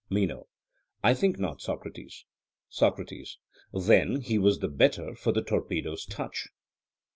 MENO: I think not, Socrates. SOCRATES: Then he was the better for the torpedo's touch?